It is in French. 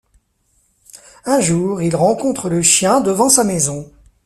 Un jour, il rencontre le chien devant sa maison.